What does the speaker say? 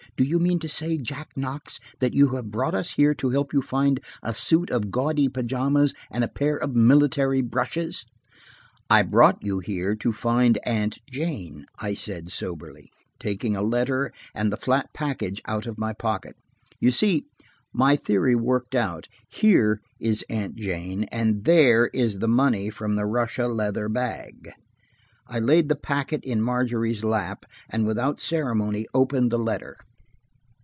"Do you mean to say, Jack Knox, that you brought us here to help you find a suit of gaudy pajamas and a pair of military brushes ?" "I brought you here to find Aunt Jane," I said soberly, taking a letter and the flat package out of my pocket. "You see, my theory worked out. Here is Aunt Jane, and there is the money from the Russia leather bag." I laid the packet in Margery's lap, and without ceremony opened the letter.